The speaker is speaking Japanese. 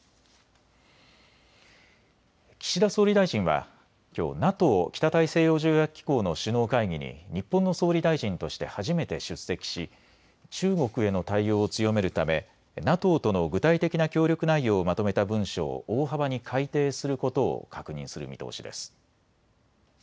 岸田総理大臣はきょうＮＡＴＯ・北大西洋条約機構の首脳会議に日本の総理大臣として初めて出席し中国への対応を強めるためＮＡＴＯとの具体的な協力内容をまとめた文書を大幅に改訂することを確認する見通しです。